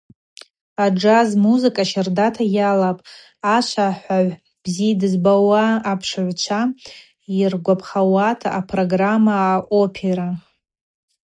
Аджаз музыка щардата йалапӏ ашвахӏвагӏв бзи дызбауа апшыгӏвчва йыргвапхауа апрограмма Аопера.